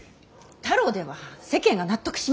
太郎では世間が納得しません！